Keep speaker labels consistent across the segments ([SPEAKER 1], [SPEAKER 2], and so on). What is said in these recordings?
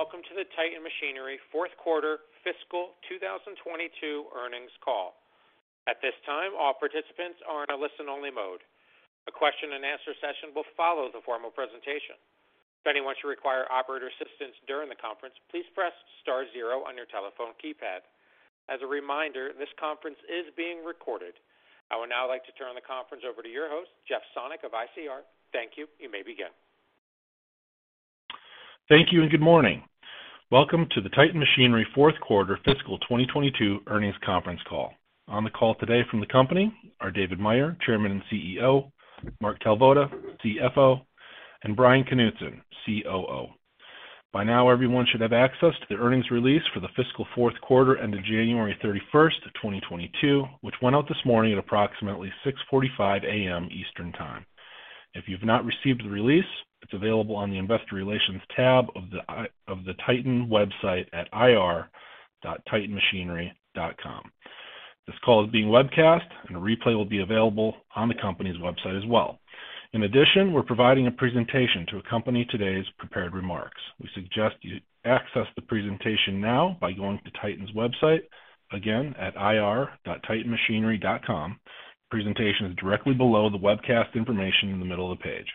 [SPEAKER 1] Greetings, and welcome to the Titan Machinery fourth quarter fiscal 2022 earnings call. At this time, all participants are in a listen-only mode. A question and answer session will follow the formal presentation. If anyone should require operator assistance during the conference, please press star zero on your telephone keypad. As a reminder, this conference is being recorded. I would now like to turn the conference over to your host, Jeff Sonnek of ICR. Thank you. You may begin.
[SPEAKER 2] Thank you, and good morning. Welcome to the Titan Machinery fourth quarter fiscal 2022 earnings conference call. On the call today from the company are David Meyer, Chairman and CEO, Mark Kalvoda, CFO, and Bryan Knutson, COO. By now, everyone should have access to the earnings release for the fiscal fourth quarter ending January 31, 2022, which went out this morning at approximately 6:45 A.M. Eastern Time. If you've not received the release, it's available on the Investor Relations tab of the Titan website at ir.titanmachinery.com. This call is being webcast, and a replay will be available on the company's website as well. In addition, we're providing a presentation to accompany today's prepared remarks. We suggest you access the presentation now by going to Titan's website, again at ir.titanmachinery.com. Presentation is directly below the webcast information in the middle of the page.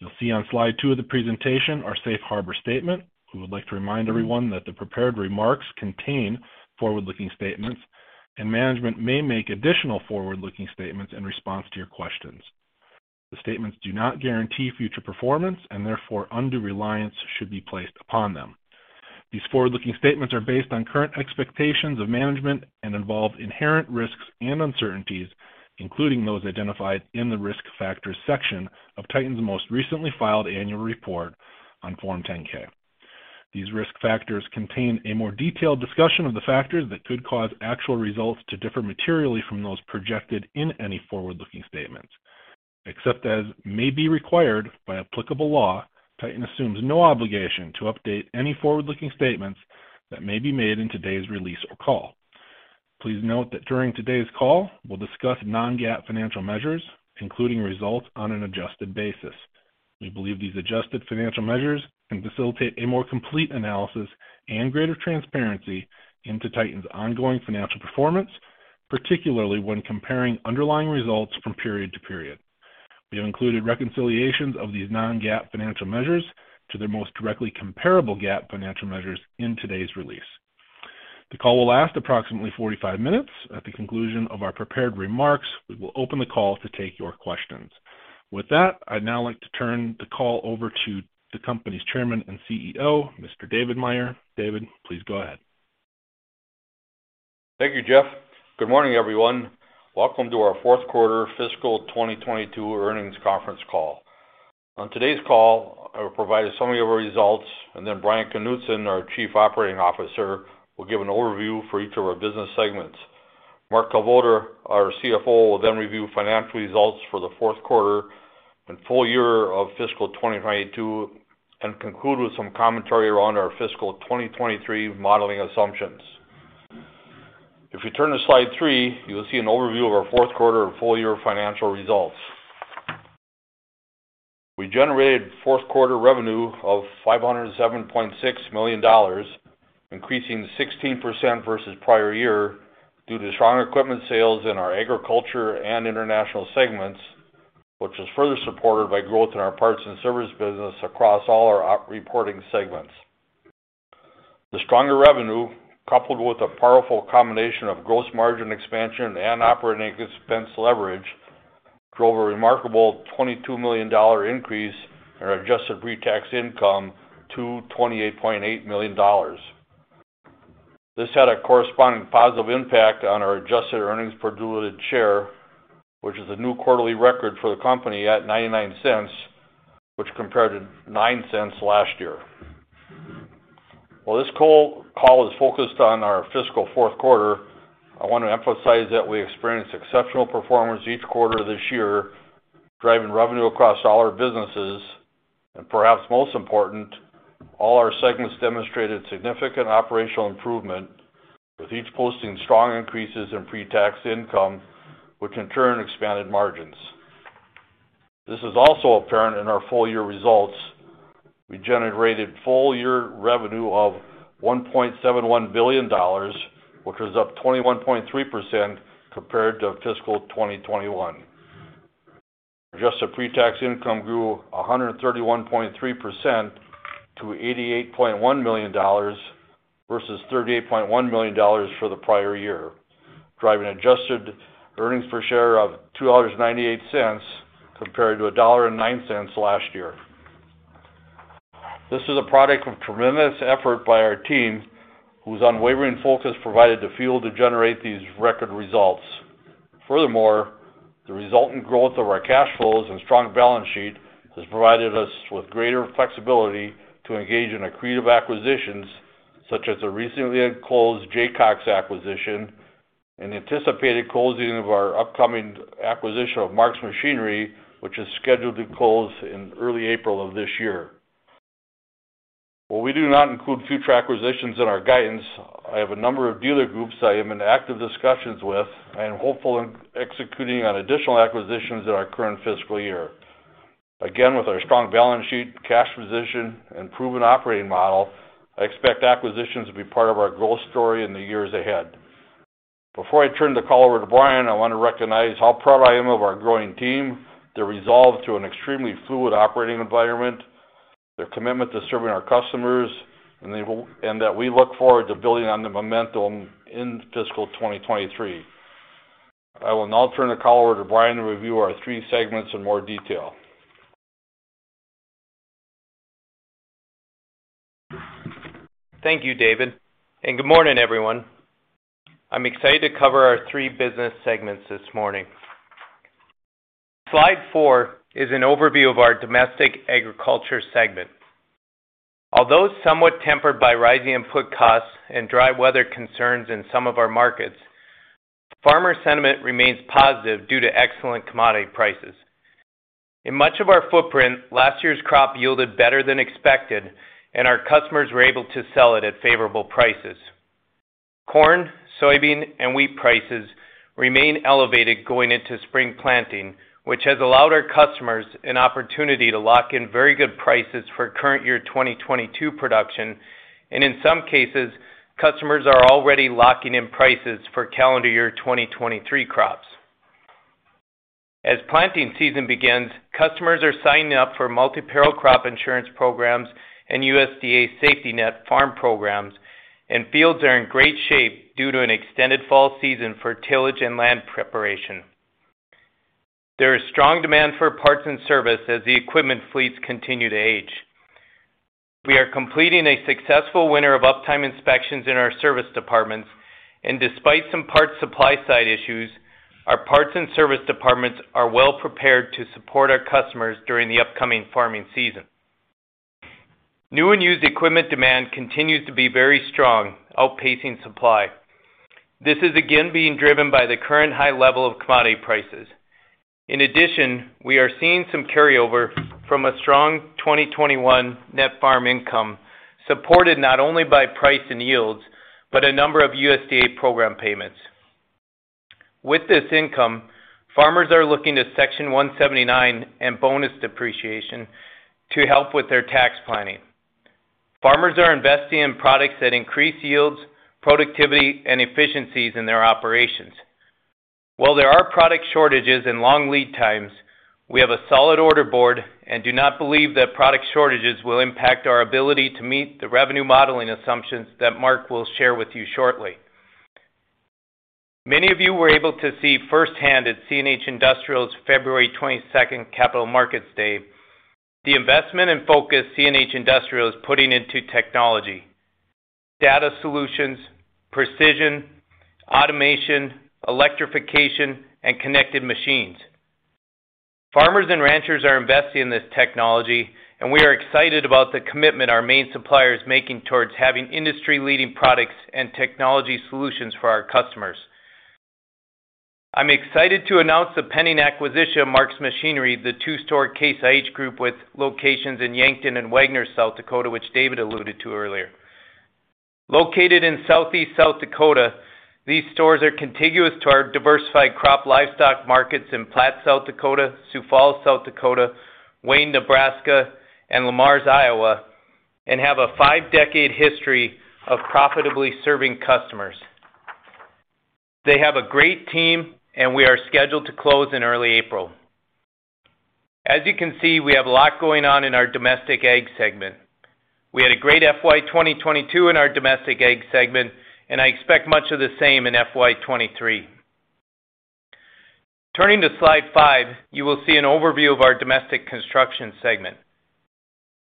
[SPEAKER 2] You'll see on slide 2 of the presentation our Safe Harbor statement. We would like to remind everyone that the prepared remarks contain forward-looking statements, and management may make additional forward-looking statements in response to your questions. The statements do not guarantee future performance, and therefore, undue reliance should be placed upon them. These forward-looking statements are based on current expectations of management and involve inherent risks and uncertainties, including those identified in the Risk Factors section of Titan's most recently filed Annual Report on Form 10-K. These risk factors contain a more detailed discussion of the factors that could cause actual results to differ materially from those projected in any forward-looking statements. Except as may be required by applicable law, Titan assumes no obligation to update any forward-looking statements that may be made in today's release or call. Please note that during today's call, we'll discuss non-GAAP financial measures, including results on an adjusted basis. We believe these adjusted financial measures can facilitate a more complete analysis and greater transparency into Titan's ongoing financial performance, particularly when comparing underlying results from period to period. We have included reconciliations of these non-GAAP financial measures to their most directly comparable GAAP financial measures in today's release. The call will last approximately 45 minutes. At the conclusion of our prepared remarks, we will open the call to take your questions. With that, I'd now like to turn the call over to the company's Chairman and CEO, Mr. David Meyer. David, please go ahead.
[SPEAKER 3] Thank you, Jeff. Good morning, everyone. Welcome to our fourth quarter fiscal 2022 earnings conference call. On today's call, I will provide a summary of our results, and then Bryan Knutson, our Chief Operating Officer, will give an overview for each of our business segments. Mark Kalvoda, our CFO, will then review financial results for the fourth quarter and full year of fiscal 2022 and conclude with some commentary around our fiscal 2023 modeling assumptions. If you turn to slide 3, you will see an overview of our fourth quarter and full year financial results. We generated fourth quarter revenue of $507.6 million, increasing 16% versus prior year due to strong equipment sales in our Agriculture and International segments, which was further supported by growth in our Parts and Service business across all our reporting segments. The stronger revenue, coupled with a powerful combination of gross margin expansion and operating expense leverage, drove a remarkable $22 million increase in our adjusted pre-tax income to $28.8 million. This had a corresponding positive impact on our adjusted earnings per diluted share, which is a new quarterly record for the company at $0.99, which compared to $0.09 last year. While this call is focused on our fiscal fourth quarter, I want to emphasize that we experienced exceptional performance each quarter this year, driving revenue across all our businesses. Perhaps most important, all our segments demonstrated significant operational improvement, with each posting strong increases in pre-tax income, which in turn expanded margins. This is also apparent in our full year results. We generated full year revenue of $1.71 billion, which was up 21.3% compared to fiscal 2021. Adjusted pre-tax income grew 131.3% to $88.1 million versus $38.1 million for the prior year, driving adjusted earnings per share of $2.98 compared to $1.09 last year. This is a product of tremendous effort by our team, whose unwavering focus provided the fuel to generate these record results. Furthermore, the resultant growth of our cash flows and strong balance sheet has provided us with greater flexibility to engage in accretive acquisitions, such as the recently closed Jaycox acquisition and anticipated closing of our upcoming acquisition of Mark's Machinery, which is scheduled to close in early April of this year. While we do not include future acquisitions in our guidance, I have a number of dealer groups I am in active discussions with and hopeful in executing on additional acquisitions in our current fiscal year. Again, with our strong balance sheet, cash position, and proven operating model, I expect acquisitions to be part of our growth story in the years ahead. Before I turn the call over to Bryan, I want to recognize how proud I am of our growing team, their resolve to an extremely fluid operating environment, their commitment to serving our customers, and that we look forward to building on the momentum in fiscal 2023. I will now turn the call over to Bryan to review our three segments in more detail.
[SPEAKER 4] Thank you, David, and good morning, everyone. I'm excited to cover our three business segments this morning. Slide 4 is an overview of our domestic agriculture segment. Although somewhat tempered by rising input costs and dry weather concerns in some of our markets, farmer sentiment remains positive due to excellent commodity prices. In much of our footprint, last year's crop yielded better than expected, and our customers were able to sell it at favorable prices. Corn, soybean, and wheat prices remain elevated going into spring planting, which has allowed our customers an opportunity to lock in very good prices for current year 2022 production. In some cases, customers are already locking in prices for calendar year 2023 crops. As planting season begins, customers are signing up for multi-peril crop insurance programs and USDA's safety net farm programs, and fields are in great shape due to an extended fall season for tillage and land preparation. There is strong demand for parts and service as the equipment fleets continue to age. We are completing a successful winter of uptime inspections in our service departments. Despite some parts supply side issues, our parts and service departments are well prepared to support our customers during the upcoming farming season. New and used equipment demand continues to be very strong, outpacing supply. This is again being driven by the current high level of commodity prices. In addition, we are seeing some carryover from a strong 2021 net farm income, supported not only by price and yields, but a number of USDA program payments. With this income, farmers are looking to Section 179 and bonus depreciation to help with their tax planning. Farmers are investing in products that increase yields, productivity, and efficiencies in their operations. While there are product shortages and long lead times, we have a solid order board and do not believe that product shortages will impact our ability to meet the revenue modeling assumptions that Mark will share with you shortly. Many of you were able to see firsthand at CNH Industrial's February 22 Capital Markets Day the investment and focus CNH Industrial is putting into technology, data solutions, precision, automation, electrification, and connected machines. Farmers and ranchers are investing in this technology, and we are excited about the commitment our main supplier is making towards having industry-leading products and technology solutions for our customers. I'm excited to announce the pending acquisition of Mark's Machinery, the 2-store Case IH group with locations in Yankton and Wagner, South Dakota, which David alluded to earlier. Located in southeast South Dakota, these stores are contiguous to our diversified crop livestock markets in Platte, South Dakota, Sioux Falls, South Dakota, Wayne, Nebraska, and Le Mars, Iowa, and have a 5-decade history of profitably serving customers. They have a great team, and we are scheduled to close in early April. As you can see, we have a lot going on in our domestic ag segment. We had a great FY 2022 in our domestic ag segment, and I expect much of the same in FY 2023. Turning to slide 5, you will see an overview of our domestic construction segment.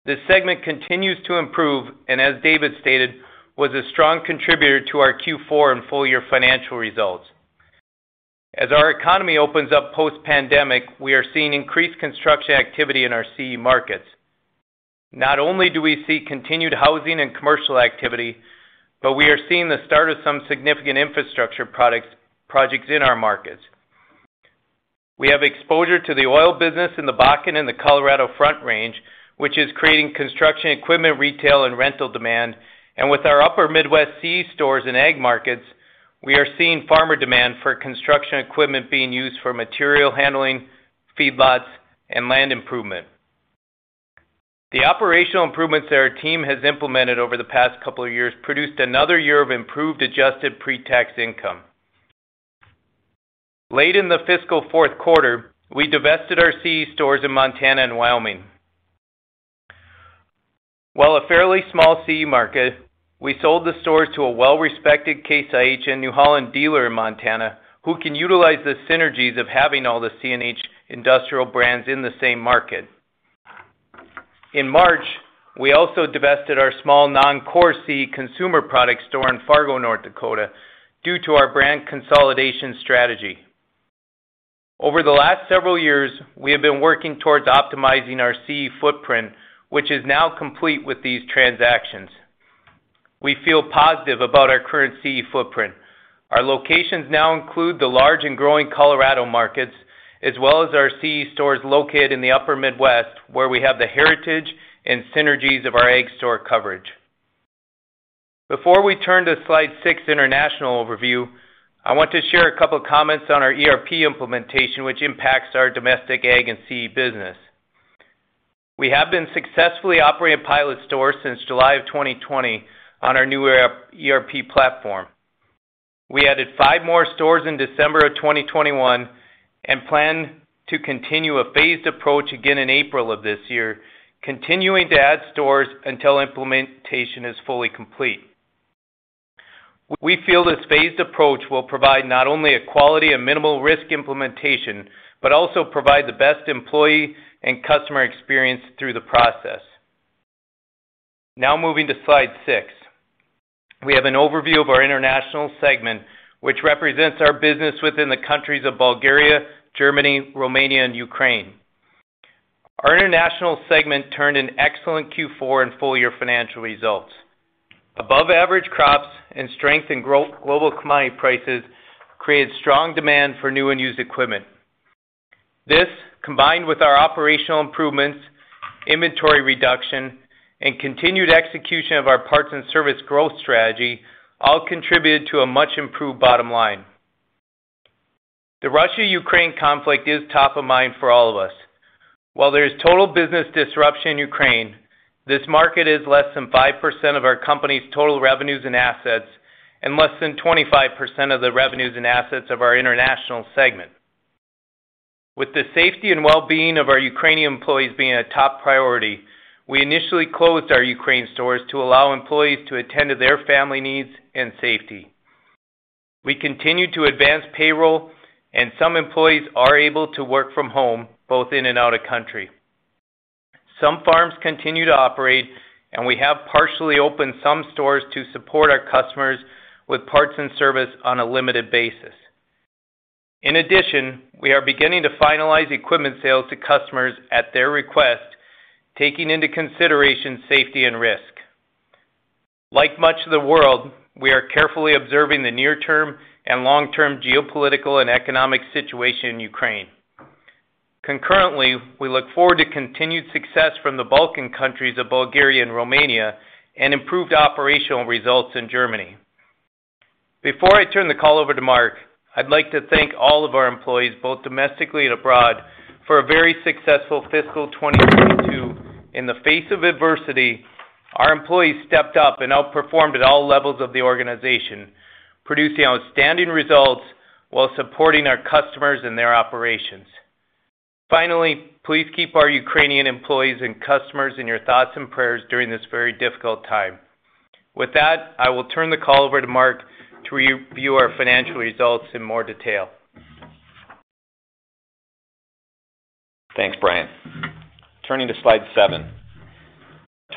[SPEAKER 4] This segment continues to improve and, as David stated, was a strong contributor to our Q4 and full-year financial results. As our economy opens up post-pandemic, we are seeing increased construction activity in our CE markets. Not only do we see continued housing and commercial activity, but we are seeing the start of some significant infrastructure projects in our markets. We have exposure to the oil business in the Bakken and the Colorado Front Range, which is creating construction equipment retail and rental demand. With our Upper Midwest CE stores and ag markets, we are seeing farmer demand for construction equipment being used for material handling, feedlots, and land improvement. The operational improvements that our team has implemented over the past couple of years produced another year of improved adjusted pre-tax income. Late in the fiscal fourth quarter, we divested our CE stores in Montana and Wyoming. While a fairly small CE market, we sold the stores to a well-respected Case IH and New Holland dealer in Montana who can utilize the synergies of having all the CNH Industrial brands in the same market. In March, we also divested our small non-core CE consumer product store in Fargo, North Dakota, due to our brand consolidation strategy. Over the last several years, we have been working towards optimizing our CE footprint, which is now complete with these transactions. We feel positive about our current CE footprint. Our locations now include the large and growing Colorado markets, as well as our CE stores located in the upper Midwest, where we have the heritage and synergies of our ag store coverage. Before we turn to slide six, international overview, I want to share a couple of comments on our ERP implementation, which impacts our domestic ag and CE business. We have been successfully operating pilot stores since July 2020 on our new ERP platform. We added five more stores in December 2021 and plan to continue a phased approach again in April of this year, continuing to add stores until implementation is fully complete. We feel this phased approach will provide not only a quality and minimal risk implementation, but also provide the best employee and customer experience through the process. Now moving to slide 6. We have an overview of our international segment, which represents our business within the countries of Bulgaria, Germany, Romania, and Ukraine. Our international segment turned in excellent Q4 and full year financial results. Above average crops and strength in global commodity prices created strong demand for new and used equipment. This, combined with our operational improvements, inventory reduction, and continued execution of our parts and service growth strategy all contributed to a much improved bottom line. The Russia-Ukraine conflict is top of mind for all of us. While there is total business disruption in Ukraine, this market is less than 5% of our company's total revenues and assets and less than 25% of the revenues and assets of our international segment. With the safety and well-being of our Ukrainian employees being a top priority, we initially closed our Ukraine stores to allow employees to attend to their family needs and safety. We continue to advance payroll and some employees are able to work from home, both in and out of country. Some farms continue to operate, and we have partially opened some stores to support our customers with parts and service on a limited basis. In addition, we are beginning to finalize equipment sales to customers at their request, taking into consideration safety and risk. Like much of the world, we are carefully observing the near-term and long-term geopolitical and economic situation in Ukraine. Concurrently, we look forward to continued success from the Balkan countries of Bulgaria and Romania and improved operational results in Germany. Before I turn the call over to Mark, I'd like to thank all of our employees, both domestically and abroad, for a very successful fiscal 2022. In the face of adversity, our employees stepped up and outperformed at all levels of the organization, producing outstanding results while supporting our customers and their operations. Finally, please keep our Ukrainian employees and customers in your thoughts and prayers during this very difficult time. With that, I will turn the call over to Mark to review our financial results in more detail.
[SPEAKER 5] Thanks, Bryan. Turning to slide 7.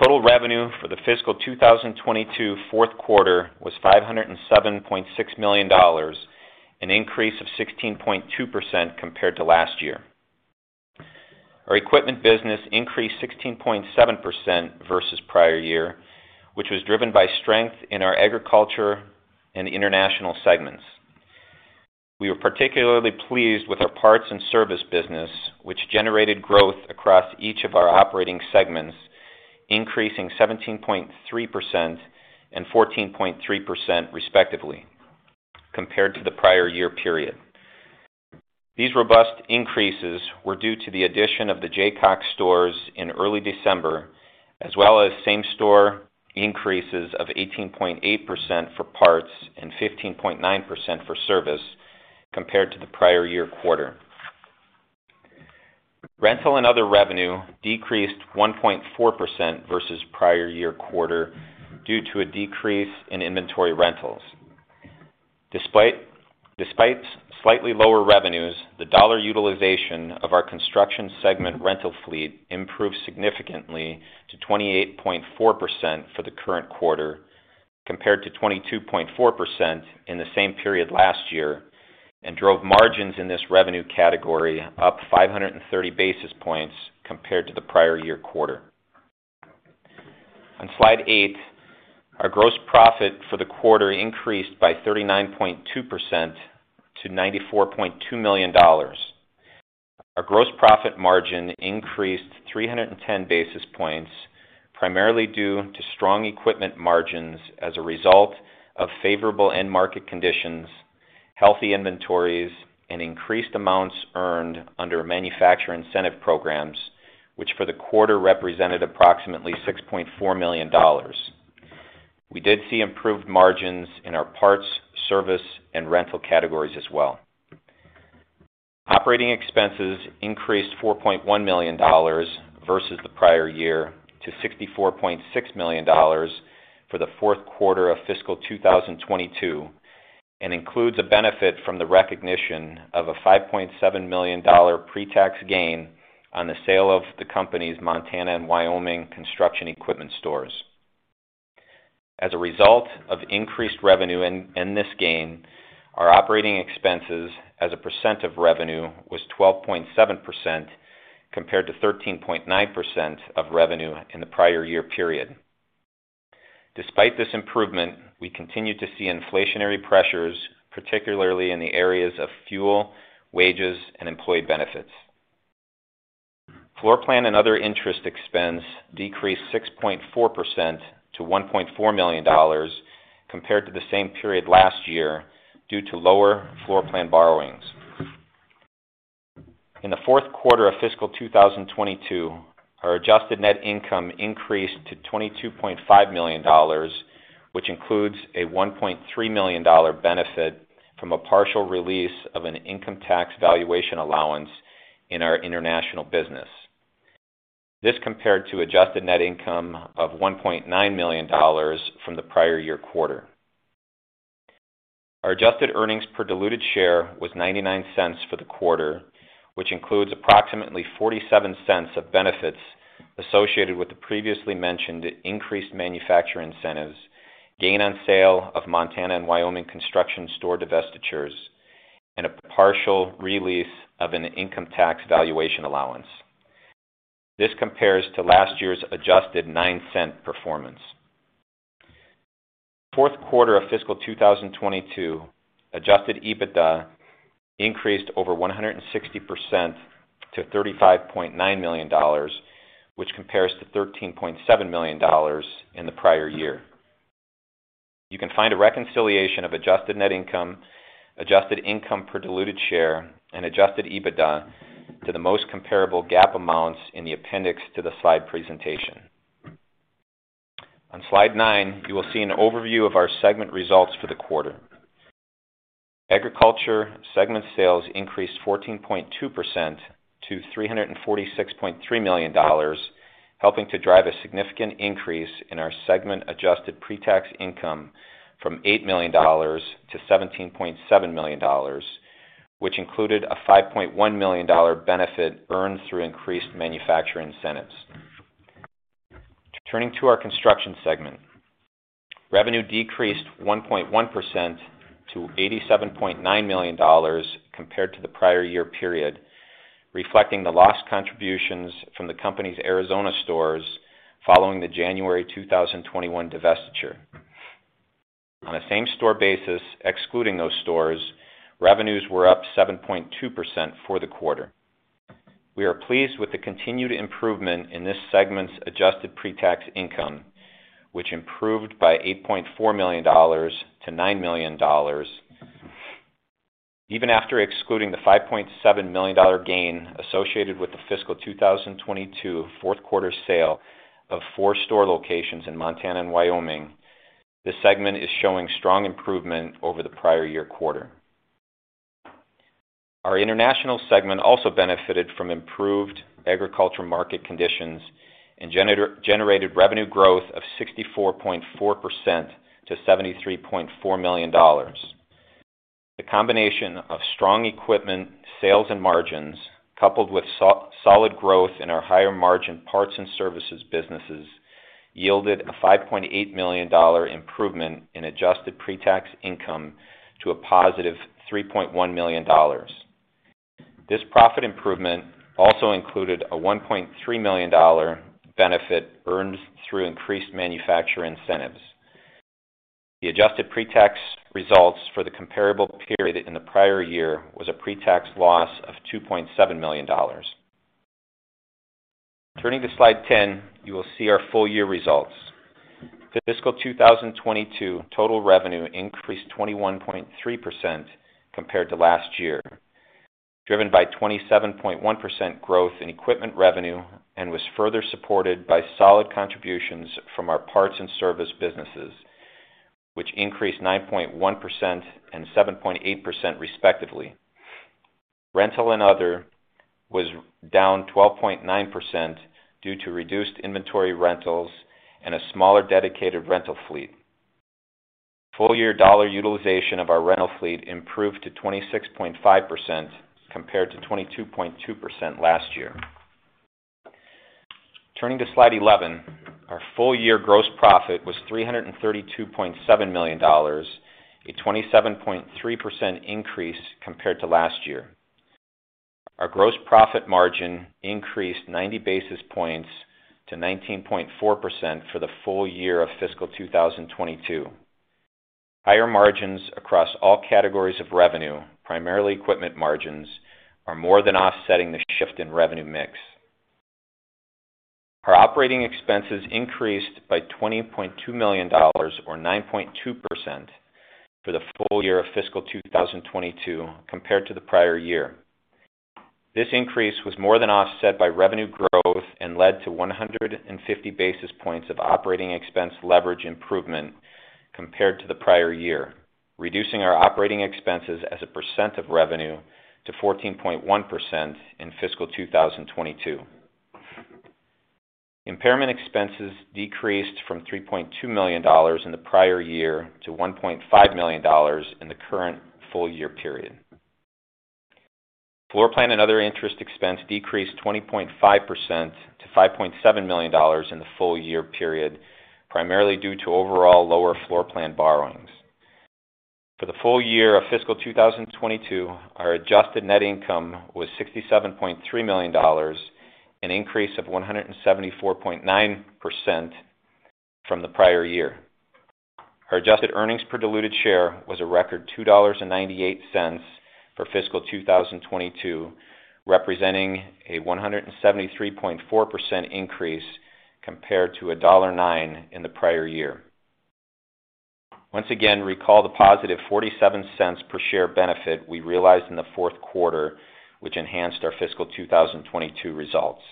[SPEAKER 5] Total revenue for the fiscal 2022 fourth quarter was $507.6 million, an increase of 16.2% compared to last year. Our equipment business increased 16.7% versus prior year, which was driven by strength in our agriculture and international segments. We were particularly pleased with our parts and service business, which generated growth across each of our operating segments, increasing 17.3% and 14.3% respectively compared to the prior year period. These robust increases were due to the addition of the Jaycox stores in early December, as well as same store increases of 18.8% for parts and 15.9% for service compared to the prior year quarter. Rental and other revenue decreased 1.4% versus prior year quarter due to a decrease in inventory rentals. Despite slightly lower revenues, the dollar utilization of our construction segment rental fleet improved significantly to 28.4% for the current quarter, compared to 22.4% in the same period last year, and drove margins in this revenue category up 530 basis points compared to the prior year quarter. On slide 8, our gross profit for the quarter increased by 39.2% to $94.2 million. Our gross profit margin increased 310 basis points, primarily due to strong equipment margins as a result of favorable end market conditions, healthy inventories, and increased amounts earned under manufacturer incentive programs, which for the quarter represented approximately $6.4 million. We did see improved margins in our parts, service, and rental categories as well. Operating expenses increased $4.1 million versus the prior year to $64.6 million for the fourth quarter of fiscal 2022, and includes a benefit from the recognition of a $5.7 million pre-tax gain on the sale of the company's Montana and Wyoming construction equipment stores. As a result of increased revenue in this gain, our operating expenses as a percent of revenue was 12.7% compared to 13.9% of revenue in the prior year period. Despite this improvement, we continue to see inflationary pressures, particularly in the areas of fuel, wages, and employee benefits. Floor plan and other interest expense decreased 6.4% to $1.4 million compared to the same period last year due to lower floor plan borrowings. In the fourth quarter of fiscal 2022, our adjusted net income increased to $22.5 million, which includes a $1.3 million benefit from a partial release of an income tax valuation allowance in our international business. This compared to adjusted net income of $1.9 million from the prior year quarter. Our adjusted earnings per diluted share was $0.99 for the quarter, which includes approximately $0.47 of benefits associated with the previously mentioned increased manufacturer incentives, gain on sale of Montana and Wyoming construction store divestitures, and a partial release of an income tax valuation allowance. This compares to last year's adjusted $0.09 performance. Fourth quarter of fiscal 2022 adjusted EBITDA increased over 160% to $35.9 million, which compares to $13.7 million in the prior year. You can find a reconciliation of adjusted net income, adjusted income per diluted share, and adjusted EBITDA to the most comparable GAAP amounts in the appendix to the slide presentation. On slide 9, you will see an overview of our segment results for the quarter. Agriculture segment sales increased 14.2% to $346.3 million, helping to drive a significant increase in our segment adjusted pre-tax income from $8 million to $17.7 million, which included a $5.1 million benefit earned through increased manufacturer incentives. Turning to our Construction segment. Revenue decreased 1.1% to $87.9 million compared to the prior year period, reflecting the lost contributions from the company's Arizona stores following the January 2021 divestiture. On a same-store basis, excluding those stores, revenues were up 7.2% for the quarter. We are pleased with the continued improvement in this segment's adjusted pre-tax income, which improved by $8.4 million to $9 million. Even after excluding the $5.7 million gain associated with the fiscal 2022 fourth quarter sale of four store locations in Montana and Wyoming, this segment is showing strong improvement over the prior year quarter. Our international segment also benefited from improved agricultural market conditions and generated revenue growth of 64.4% to $73.4 million. The combination of strong equipment sales and margins, coupled with solid growth in our higher-margin parts and services businesses, yielded a $5.8 million improvement in adjusted pre-tax income to a $+3.1 million. This profit improvement also included a $1.3 million benefit earned through increased manufacturer incentives. The adjusted pre-tax results for the comparable period in the prior year was a pre-tax loss of $2.7 million. Turning to slide 10, you will see our full-year results. The fiscal 2022 total revenue increased 21.3% compared to last year, driven by 27.1% growth in equipment revenue and was further supported by solid contributions from our parts and service businesses, which increased 9.1% and 7.8% respectively. Rental and other was down 12.9% due to reduced inventory rentals and a smaller dedicated rental fleet. Full-year dollar utilization of our rental fleet improved to 26.5% compared to 22.2% last year. Turning to slide 11. Our full-year gross profit was $332.7 million, a 27.3% increase compared to last year. Our gross profit margin increased 90 basis points to 19.4% for the full year of fiscal 2022. Higher margins across all categories of revenue, primarily equipment margins, are more than offsetting the shift in revenue mix. Our operating expenses increased by $20.2 million or 9.2% for the full year of fiscal 2022 compared to the prior year. This increase was more than offset by revenue growth and led to 150 basis points of operating expense leverage improvement compared to the prior year, reducing our operating expenses as a percent of revenue to 14.1% in fiscal 2022. Impairment expenses decreased from $3.2 million in the prior year to $1.5 million in the current full year period. Floor plan and other interest expense decreased 20.5% to $5.7 million in the full-year period, primarily due to overall lower floor plan borrowings. For the full year of fiscal 2022, our adjusted net income was $67.3 million, an increase of 174.9% from the prior year. Our adjusted earnings per diluted share was a record $2.98 for fiscal 2022, representing a 173.4% increase compared to $1.09 in the prior year. Once again, recall the $+0.47 per share benefit we realized in the fourth quarter, which enhanced our fiscal 2022 results.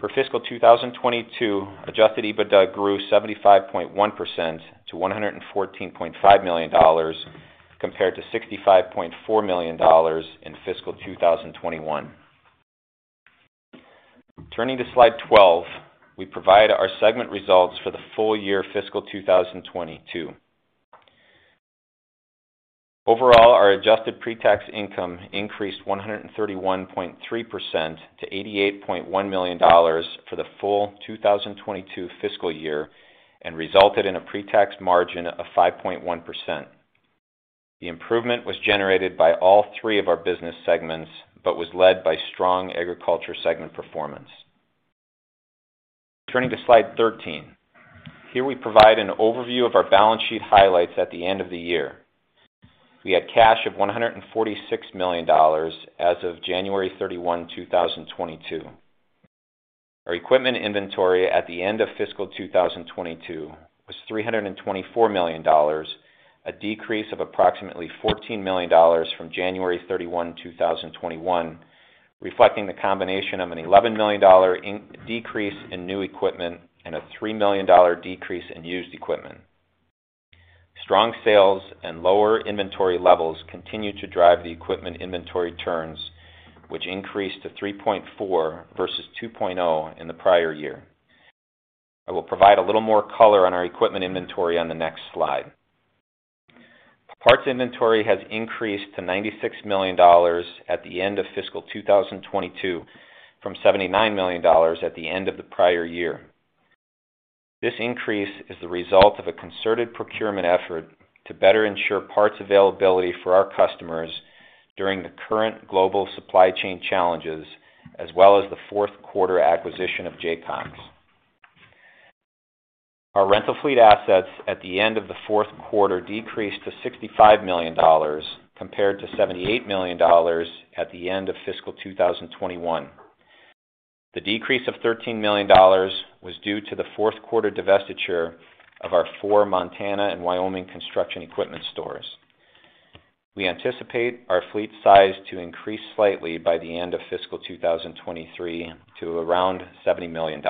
[SPEAKER 5] For fiscal 2022, adjusted EBITDA grew 75.1% to $114.5 million compared to $65.4 million in fiscal 2021. Turning to Slide 12, we provide our segment results for the full year fiscal 2022. Overall, our adjusted pre-tax income increased 131.3% to $88.1 million for the full 2022 fiscal year and resulted in a pre-tax margin of 5.1%. The improvement was generated by all three of our business segments, but was led by strong Agriculture segment performance. Turning to Slide 13. Here we provide an overview of our balance sheet highlights at the end of the year. We had cash of $146 million as of January 31, 2022. Our equipment inventory at the end of fiscal 2022 was $324 million, a decrease of approximately $14 million from January 31, 2021, reflecting the combination of an $11 million decrease in new equipment and a $3 million decrease in used equipment. Strong sales and lower inventory levels continue to drive the equipment inventory turns, which increased to 3.4 versus 2.0 in the prior year. I will provide a little more color on our equipment inventory on the next slide. Parts inventory has increased to $96 million at the end of fiscal 2022 from $79 million at the end of the prior year. This increase is the result of a concerted procurement effort to better ensure parts availability for our customers during the current global supply chain challenges, as well as the fourth quarter acquisition of Jaycox. Our rental fleet assets at the end of the fourth quarter decreased to $65 million compared to $78 million at the end of fiscal 2021. The decrease of $13 million was due to the fourth quarter divestiture of our four Montana and Wyoming construction equipment stores. We anticipate our fleet size to increase slightly by the end of fiscal 2023 to around $70 million.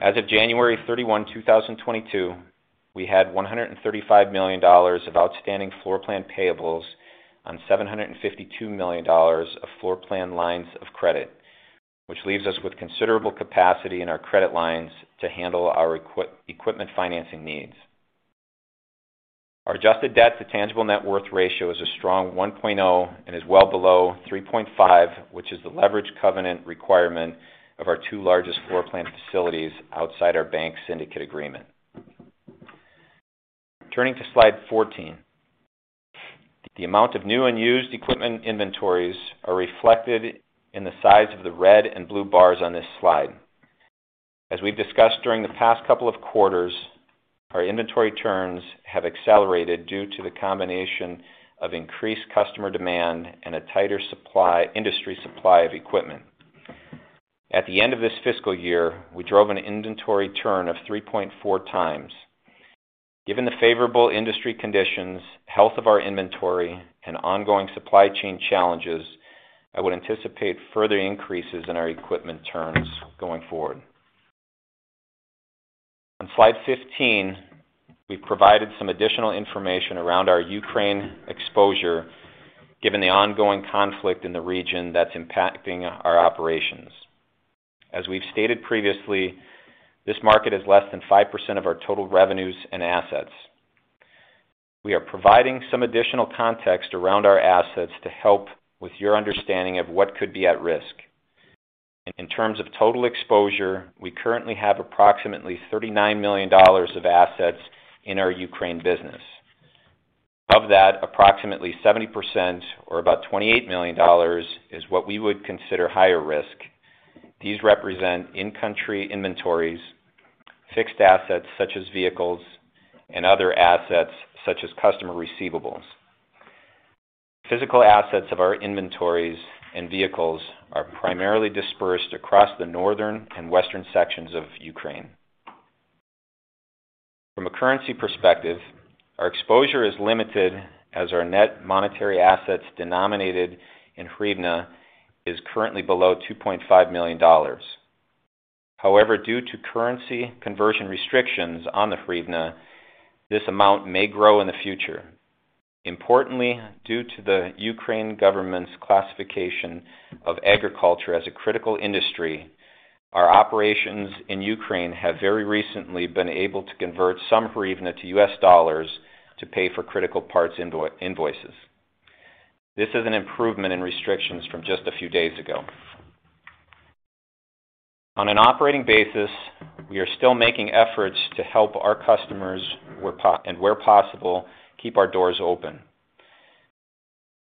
[SPEAKER 5] As of January 31, 2022, we had $135 million of outstanding floor plan payables on $752 million of floor plan lines of credit, which leaves us with considerable capacity in our credit lines to handle our equipment financing needs. Our adjusted debt to tangible net worth ratio is a strong 1.0 and is well below 3.5, which is the leverage covenant requirement of our two largest floor plan facilities outside our bank syndicate agreement. Turning to Slide 14. The amount of new and used equipment inventories are reflected in the size of the red and blue bars on this slide. As we've discussed during the past couple of quarters, our inventory turns have accelerated due to the combination of increased customer demand and a tighter industry supply of equipment. At the end of this fiscal year, we drove an inventory turn of 3.4x. Given the favorable industry conditions, health of our inventory, and ongoing supply chain challenges, I would anticipate further increases in our equipment turns going forward. On Slide 15, we've provided some additional information around our Ukraine exposure given the ongoing conflict in the region that's impacting our operations. As we've stated previously, this market is less than 5% of our total revenues and assets. We are providing some additional context around our assets to help with your understanding of what could be at risk. In terms of total exposure, we currently have approximately $39 million of assets in our Ukraine business. Of that, approximately 70% or about $28 million is what we would consider higher risk. These represent in-country inventories, fixed assets such as vehicles, and other assets such as customer receivables. Physical assets of our inventories and vehicles are primarily dispersed across the northern and western sections of Ukraine. From a currency perspective, our exposure is limited as our net monetary assets denominated in hryvnia is currently below $2.5 million. However, due to currency conversion restrictions on the hryvnia, this amount may grow in the future. Importantly, due to the Ukraine government's classification of agriculture as a critical industry, our operations in Ukraine have very recently been able to convert some hryvnia to U.S. dollars to pay for critical parts invoices. This is an improvement in restrictions from just a few days ago. On an operating basis, we are still making efforts to help our customers and where possible, keep our doors open.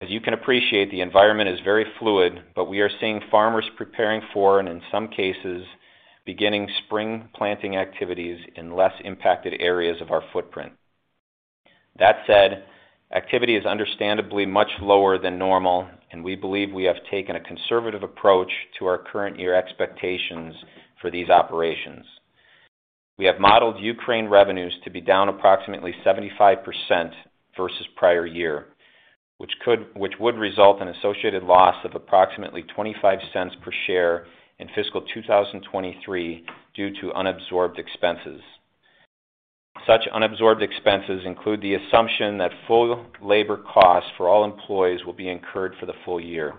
[SPEAKER 5] As you can appreciate, the environment is very fluid, but we are seeing farmers preparing for, and in some cases, beginning spring planting activities in less impacted areas of our footprint. That said, activity is understandably much lower than normal, and we believe we have taken a conservative approach to our current year expectations for these operations. We have modeled Ukraine revenues to be down approximately 75% versus prior year, which would result in associated loss of approximately $0.25 per share in fiscal 2023 due to unabsorbed expenses. Such unabsorbed expenses include the assumption that full labor costs for all employees will be incurred for the full year.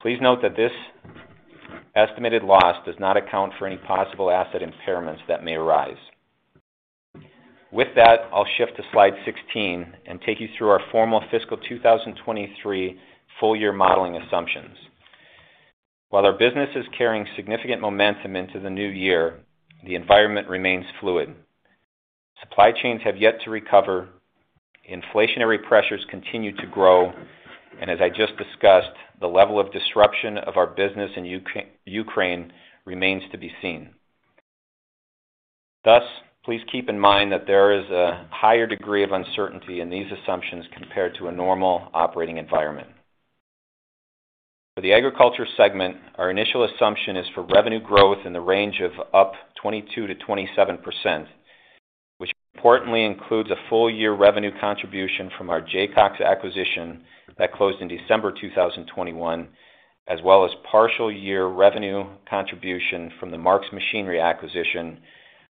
[SPEAKER 5] Please note that this estimated loss does not account for any possible asset impairments that may arise. With that, I'll shift to slide 16 and take you through our formal fiscal 2023 full year modeling assumptions. While our business is carrying significant momentum into the new year, the environment remains fluid. Supply chains have yet to recover, inflationary pressures continue to grow, and as I just discussed, the level of disruption of our business in Ukraine remains to be seen. Thus, please keep in mind that there is a higher degree of uncertainty in these assumptions compared to a normal operating environment. For the agriculture segment, our initial assumption is for revenue growth in the range of up 22% to 27%, which importantly includes a full-year revenue contribution from our Jaycox acquisition that closed in December 2021, as well as partial-year revenue contribution from the Mark's Machinery acquisition,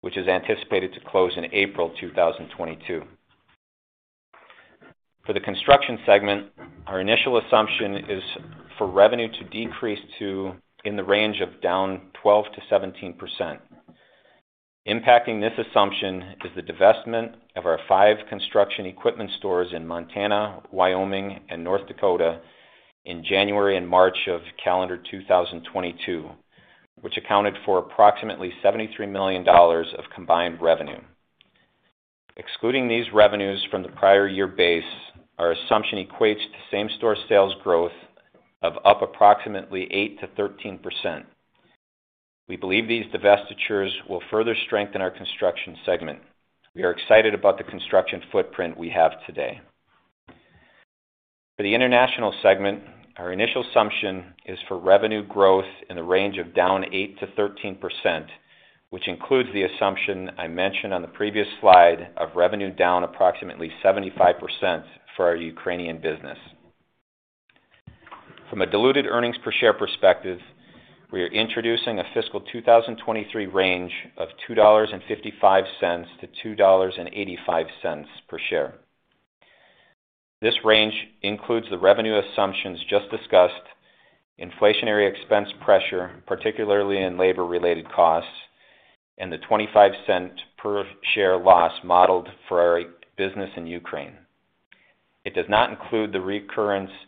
[SPEAKER 5] which is anticipated to close in April 2022. For the construction segment, our initial assumption is for revenue to decrease in the range of down 12% to 17%. Impacting this assumption is the divestment of our 5 construction equipment stores in Montana, Wyoming, and North Dakota in January and March of calendar 2022, which accounted for approximately $73 million of combined revenue. Excluding these revenues from the prior year base, our assumption equates to same-store sales growth of up approximately 8% to 13%. We believe these divestitures will further strengthen our construction segment. We are excited about the construction footprint we have today. For the international segment, our initial assumption is for revenue growth in the range of down 8% to 13%, which includes the assumption I mentioned on the previous slide of revenue down approximately 75% for our Ukrainian business. From a diluted earnings per share perspective, we are introducing a fiscal 2023 range of $2.55 to $2.85 per share. This range includes the revenue assumptions just discussed, inflationary expense pressure, particularly in labor-related costs, and the $0.25 per share loss modeled for our business in Ukraine. It does not include the recurrence of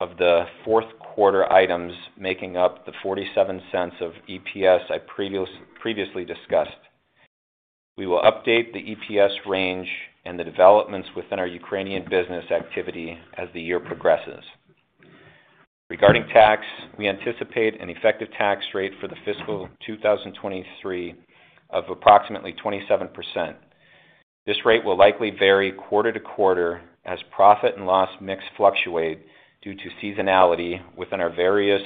[SPEAKER 5] the fourth quarter items making up the $0.47 of EPS I previously discussed. We will update the EPS range and the developments within our Ukrainian business activity as the year progresses. Regarding tax, we anticipate an effective tax rate for the fiscal 2023 of approximately 27%. This rate will likely vary quarter to quarter as profit and loss mix fluctuate due to seasonality within our various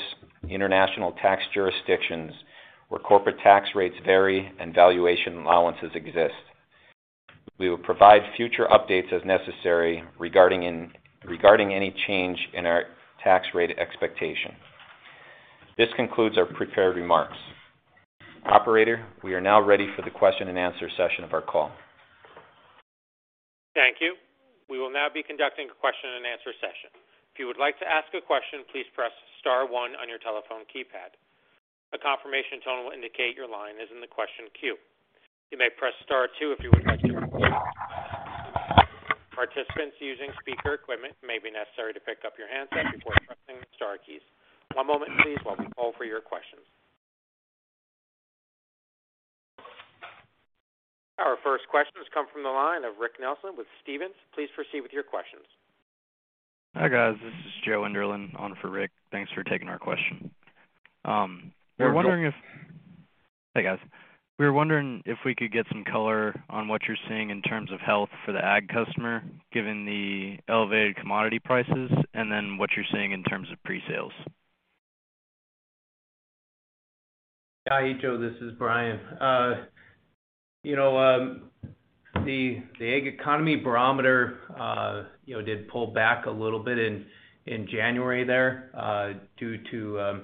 [SPEAKER 5] international tax jurisdictions, where corporate tax rates vary and valuation allowances exist. We will provide future updates as necessary regarding any change in our tax rate expectation. This concludes our prepared remarks. Operator, we are now ready for the question and answer session of our call.
[SPEAKER 1] Thank you. We will now be conducting a question and answer session. If you would like to ask a question, please press star one on your telephone keypad. A confirmation tone will indicate your line is in the question queue. You may press star two if you would like to remove yourself. Participants using speaker equipment may be necessary to pick up your handset before pressing the star keys. One moment please while we call for your questions. Our first question has come from the line of Rick Nelson with Stephens. Please proceed with your questions.
[SPEAKER 6] Hi, guys. This is Joe Enderlin on for Rick. Thanks for taking our question. We were wondering if.
[SPEAKER 3] Hey Joe.
[SPEAKER 6] Hi, guys. We were wondering if we could get some color on what you're seeing in terms of health for the ag customer, given the elevated commodity prices, and then what you're seeing in terms of pre-sales.
[SPEAKER 4] Hi, Joe. This is Bryan. You know, the Ag Economy Barometer did pull back a little bit in January there due to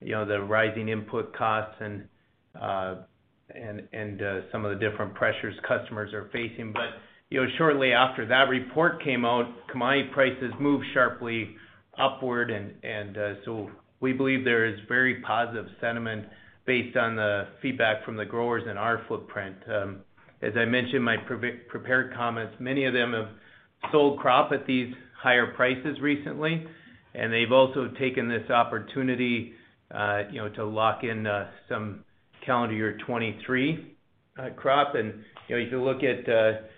[SPEAKER 4] you know, the rising input costs and some of the different pressures customers are facing. You know, shortly after that report came out, commodity prices moved sharply upward and so we believe there is very positive sentiment based on the feedback from the growers in our footprint. As I mentioned in my prepared comments, many of them have sold crop at these higher prices recently, and they've also taken this opportunity you know to lock in some calendar year 2023. Crop and, you know, if you look at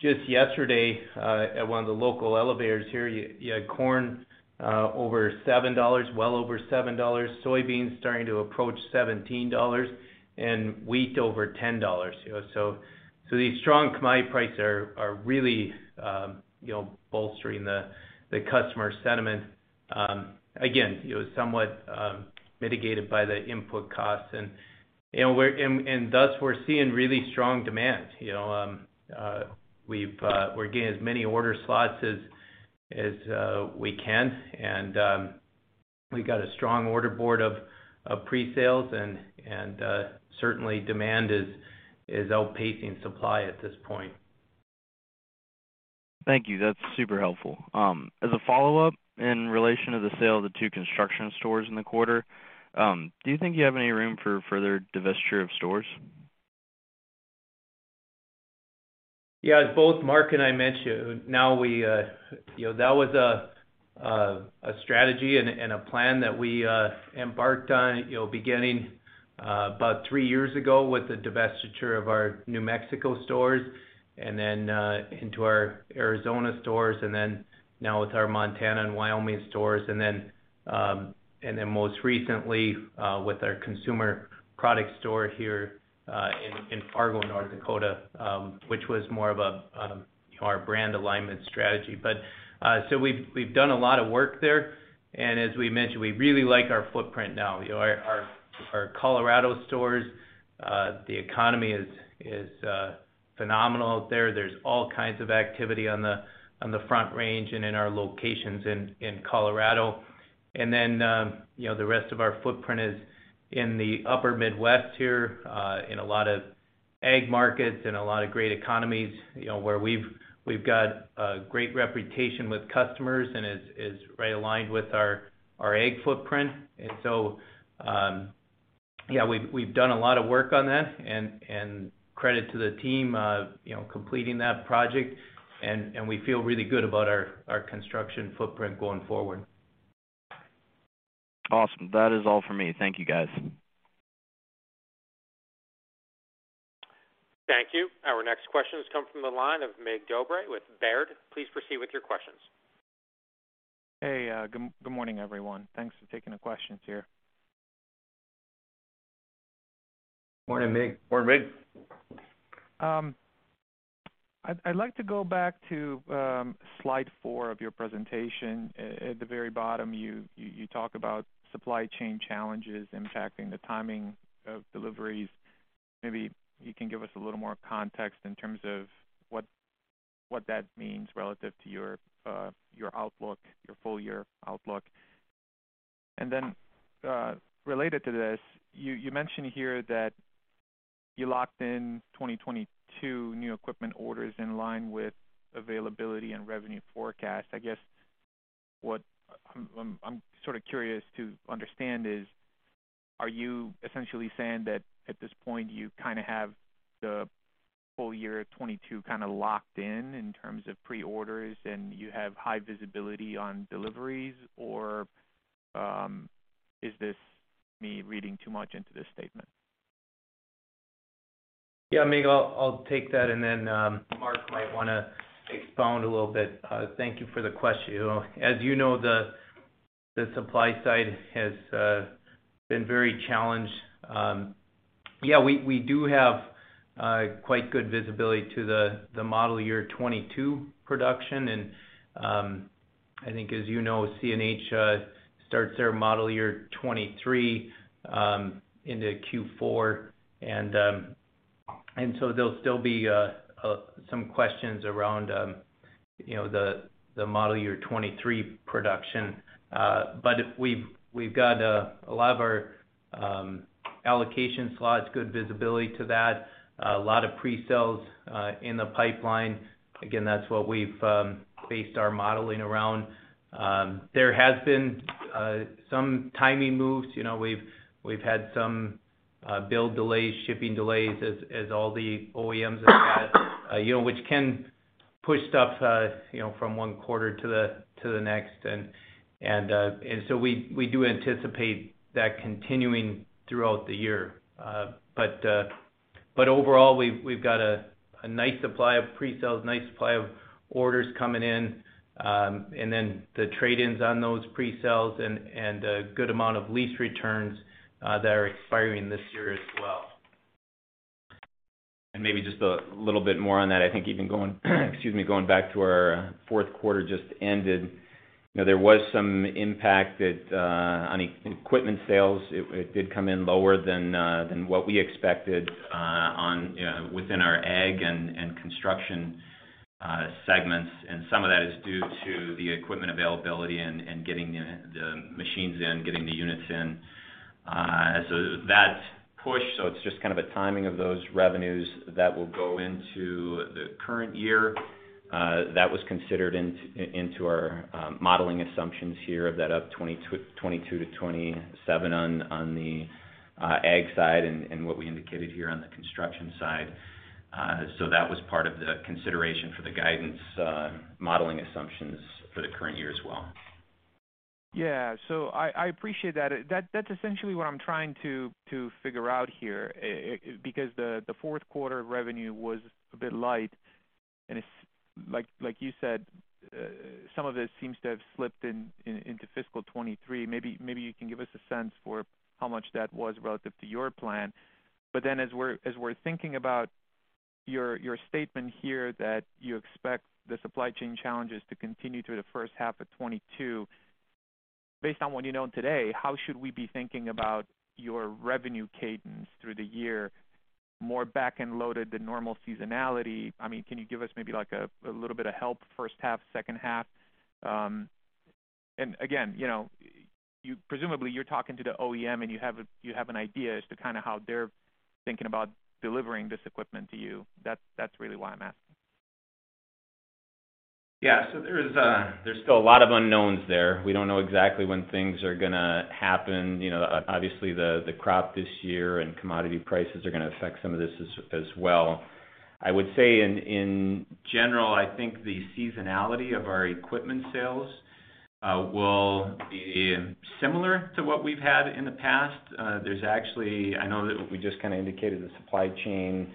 [SPEAKER 4] just yesterday at one of the local elevators here, you had corn over $7. well over $7. Soybeans starting to approach $17 and wheat over $10, you know. These strong commodity prices are really, you know, bolstering the customer sentiment. Again, you know, somewhat mitigated by the input costs. Thus we're seeing really strong demand, you know. We're getting as many order slots as we can. We've got a strong order board of pre-sales and certainly demand is outpacing supply at this point.
[SPEAKER 6] Thank you. That's super helpful. As a follow-up, in relation to the sale of the two construction stores in the quarter, do you think you have any room for further divestiture of stores?
[SPEAKER 4] Yeah. As both Mark and I mentioned, now we, you know, that was a strategy and a plan that we embarked on, you know, beginning about three years ago with the divestiture of our New Mexico stores and then into our Arizona stores, and then now with our Montana and Wyoming stores. Then most recently with our consumer product store here in Fargo, North Dakota, which was more of a, you know, our brand alignment strategy. So we've done a lot of work there. As we mentioned, we really like our footprint now. You know, our Colorado stores, the economy is phenomenal out there. There's all kinds of activity on the Front Range and in our locations in Colorado. You know, the rest of our footprint is in the upper Midwest here in a lot of ag markets and a lot of great economies, you know, where we've got a great reputation with customers and is very aligned with our ag footprint. Yeah, we've done a lot of work on that and credit to the team, you know, completing that project and we feel really good about our construction footprint going forward.
[SPEAKER 6] Awesome. That is all for me. Thank you guys.
[SPEAKER 1] Thank you. Our next questions come from the line of Mig Dobre with Baird. Please proceed with your questions.
[SPEAKER 7] Hey. Good morning, everyone. Thanks for taking the questions here.
[SPEAKER 3] Morning, Mig.
[SPEAKER 5] Morning, Mig.
[SPEAKER 7] I'd like to go back to slide four of your presentation. At the very bottom you talk about supply chain challenges impacting the timing of deliveries. Maybe you can give us a little more context in terms of what that means relative to your outlook, your full year outlook. Related to this, you mentioned here that you locked in 2022 new equipment orders in line with availability and revenue forecast. I guess what I'm sort of curious to understand is, are you essentially saying that at this point you kind of have the full year of 2022 kind of locked in in terms of pre-orders and you have high visibility on deliveries? Or is this me reading too much into this statement?
[SPEAKER 4] Yeah. Mig, I'll take that and then, Mark might wanna expound a little bit. Thank you for the question. As you know, the supply side has been very challenged. Yeah, we do have quite good visibility to the model year 2022 production. I think as you know, CNH starts their model year 2023 into Q4. There'll still be some questions around, you know, the model year 2023 production. We've got a lot of our allocation slots, good visibility to that, a lot of pre-sales in the pipeline. Again, that's what we've based our modeling around. There has been some timing moves. You know, we've had some build delays, shipping delays as all the OEMs have had. You know, which can push stuff, you know, from one quarter to the next. We do anticipate that continuing throughout the year. But overall we've got a nice supply of pre-sales, nice supply of orders coming in, and then the trade-ins on those pre-sales and a good amount of lease returns that are expiring this year as well.
[SPEAKER 5] Maybe just a little bit more on that. I think even going back to our fourth quarter just ended. You know, there was some impact on equipment sales. It did come in lower than what we expected on, you know, within our ag and construction segments. Some of that is due to the equipment availability and getting the machines in, getting the units in. So it's just kind of a timing of those revenues that will go into the current year. That was considered into our modeling assumptions here of that up 22% to 27% on the Ag side and what we indicated here on the Construction side. That was part of the consideration for the guidance, modeling assumptions for the current year as well.
[SPEAKER 7] Yeah. I appreciate that. That's essentially what I'm trying to figure out here, because the fourth quarter revenue was a bit light, and like you said, some of it seems to have slipped into fiscal 2023. Maybe you can give us a sense for how much that was relative to your plan. But then as we're thinking about your statement here that you expect the supply chain challenges to continue through the first half of 2022, based on what you know today, how should we be thinking about your revenue cadence through the year? More back-end loaded than normal seasonality? I mean, can you give us maybe like a little bit of help, first half, second half? Again, you know, presumably you're talking to the OEM and you have an idea as to kinda how they're thinking about delivering this equipment to you. That's really why I'm asking.
[SPEAKER 5] Yeah. There's still a lot of unknowns there. We don't know exactly when things are gonna happen. Obviously, the crop this year and commodity prices are gonna affect some of this as well. I would say in general, I think the seasonality of our equipment sales will be similar to what we've had in the past. I know that we just kinda indicated the supply chain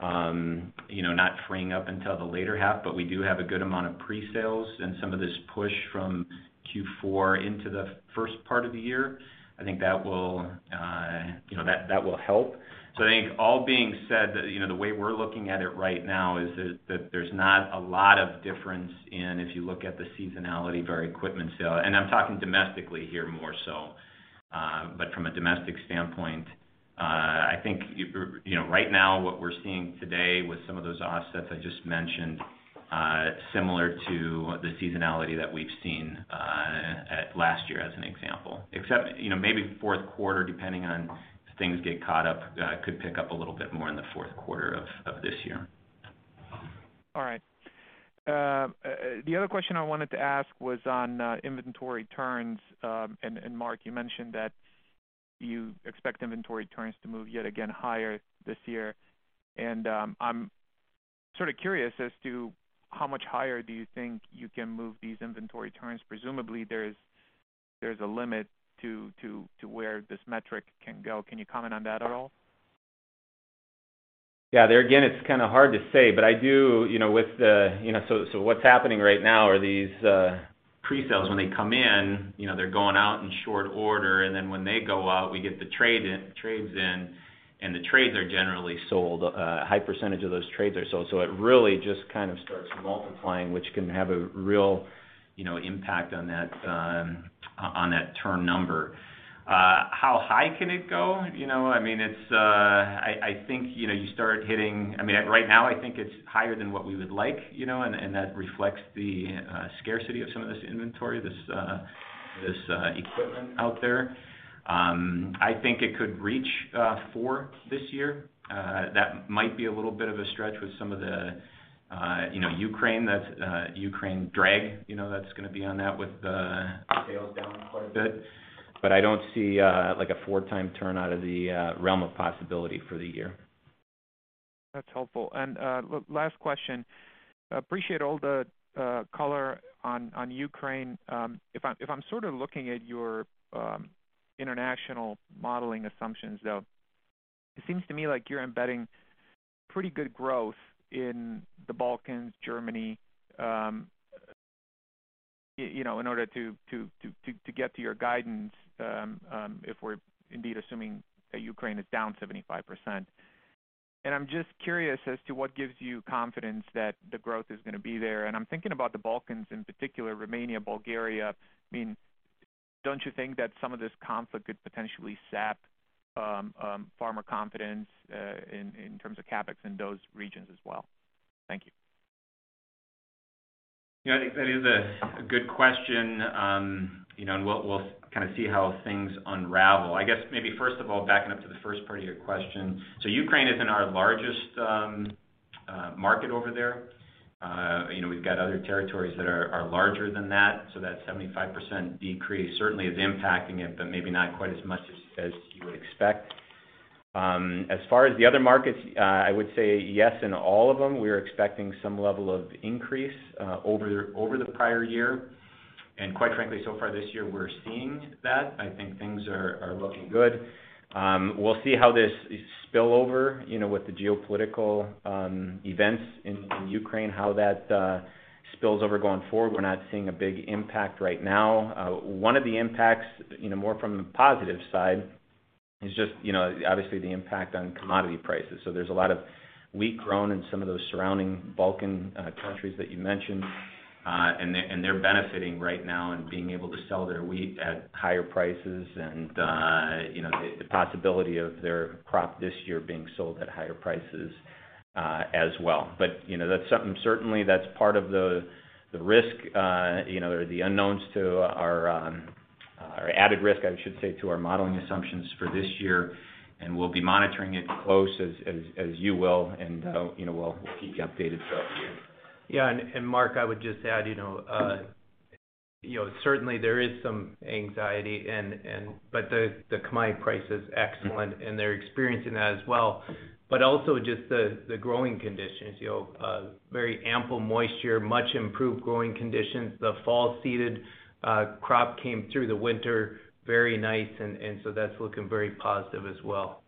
[SPEAKER 5] not freeing up until the later half, but we do have a good amount of pre-sales and some of this push from Q4 into the first part of the year. I think that will help. I think all being said, you know, the way we're looking at it right now is that there's not a lot of difference in if you look at the seasonality of our equipment sale. I'm talking domestically here more so. But from a domestic standpoint, right now what we're seeing today with some of those offsets I just mentioned is similar to the seasonality that we've seen at last year as an example. Except, you know, maybe fourth quarter, depending on if things get caught up, could pick up a little bit more in the fourth quarter of this year.
[SPEAKER 7] All right. The other question I wanted to ask was on inventory turns. Mark, you mentioned that you expect inventory turns to move yet again higher this year. I'm sort of curious as to how much higher do you think you can move these inventory turns? Presumably, there's a limit to where this metric can go. Can you comment on that at all?
[SPEAKER 5] Yeah. There again, it's kinda hard to say. I do, you know. You know, so what's happening right now are these pre-sales. When they come in, you know, they're going out in short order. When they go out, we get the trades in, and the trades are generally sold. A high percentage of those trades are sold. It really just kind of starts multiplying, which can have a real, you know, impact on that turn number. How high can it go? You know, I mean, it's. I think, you know, you start hitting. I mean, right now I think it's higher than what we would like, you know, and that reflects the scarcity of some of this inventory, this equipment out there. I think it could reach four this year. That might be a little bit of a stretch with some of the, you know, Ukraine drag, you know, that's gonna be on that with sales down quite a bit. I don't see like a 4-time turn out of the realm of possibility for the year.
[SPEAKER 7] That's helpful. Last question. Appreciate all the color on Ukraine. If I'm sort of looking at your international modeling assumptions, though, it seems to me like you're embedding pretty good growth in the Balkans, Germany, you know, in order to get to your guidance, if we're indeed assuming that Ukraine is down 75%. I'm just curious as to what gives you confidence that the growth is gonna be there. I'm thinking about the Balkans in particular, Romania, Bulgaria. I mean, don't you think that some of this conflict could potentially sap farmer confidence in terms of CapEx in those regions as well? Thank you.
[SPEAKER 5] Yeah. I think that is a good question. You know, we'll kind of see how things unravel. I guess maybe first of all, backing up to the first part of your question. Ukraine isn't our largest market over there. You know, we've got other territories that are larger than that. That 75% decrease certainly is impacting it, but maybe not quite as much as you would expect. As far as the other markets, I would say yes in all of them. We're expecting some level of increase over the prior year. Quite frankly, so far this year, we're seeing that. I think things are looking good. We'll see how this spills over, you know, with the geopolitical events in Ukraine going forward. We're not seeing a big impact right now. One of the impacts, you know, more from the positive side is just, you know, obviously the impact on commodity prices. There's a lot of wheat grown in some of those surrounding Balkan countries that you mentioned, and they're benefiting right now in being able to sell their wheat at higher prices and, you know, the possibility of their crop this year being sold at higher prices, as well. You know, that's something. Certainly, that's part of the risk, you know, or the unknowns to our, or added risk, I should say, to our modeling assumptions for this year, and we'll be monitoring it close as you will and, you know, we'll keep you updated throughout the year.
[SPEAKER 4] Mark, I would just add, you know, certainly there is some anxiety and the commodity price is excellent, and they're experiencing that as well. Also just the growing conditions, you know, very ample moisture, much improved growing conditions. The fall seeded crop came through the winter very nice and so that's looking very positive as well.